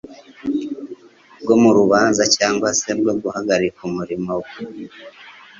bwo muruubaza cyangwa se bwo guhagarika umurimo we.